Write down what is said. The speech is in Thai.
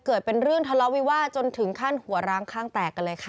เกิดเป็นเรื่องทะเลาะวิวาสจนถึงขั้นหัวร้างข้างแตกกันเลยค่ะ